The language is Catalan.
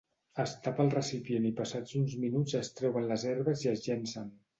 Es tapa el recipient i passats uns minuts es treuen les herbes i es llencen.